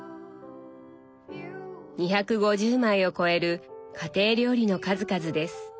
２５０枚を超える家庭料理の数々です。